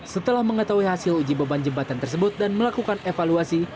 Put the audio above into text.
setelah mengetahui hasil uji beban jembatan tersebut dan melakukan evaluasi